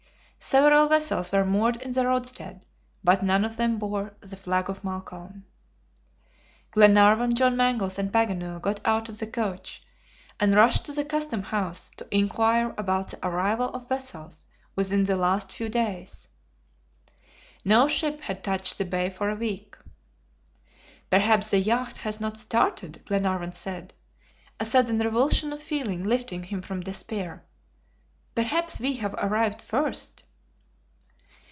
Several vessels were moored in the roadstead, but none of them bore the flag of Malcolm. Glenarvan, John Mangles, and Paganel got out of the coach, and rushed to the custom house, to inquire about the arrival of vessels within the last few days. No ship had touched the bay for a week. "Perhaps the yacht has not started," Glenarvan said, a sudden revulsion of feeling lifting him from despair. "Perhaps we have arrived first."